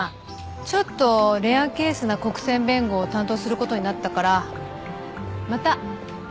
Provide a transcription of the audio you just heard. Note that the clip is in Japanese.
ちょっとレアケースな国選弁護を担当することになったからまたイチケイに通うね。